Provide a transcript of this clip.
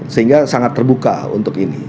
sehingga sangat terbuka untuk ini